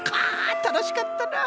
たのしかったな。